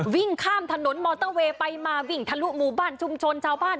วิ่งข้ามถนนมอเตอร์เวย์ไปมาวิ่งทะลุหมู่บ้านชุมชนชาวบ้าน